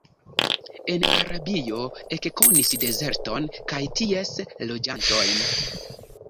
En Arabio ekkonis dezerton kaj ties loĝantojn.